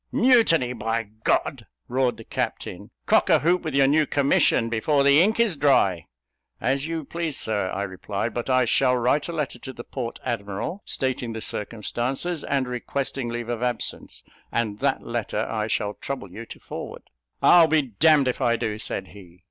"Mutiny, by G !" roared the captain. "Cock a hoop with your new commission, before the ink is dry!" "As you please, Sir," I replied; "but I shall write a letter to the port admiral, stating the circumstances and requesting leave of absence; and that letter I shall trouble you to forward." "I'll be d d if I do!" said he.